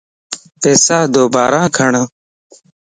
پيسادو بارا گڻ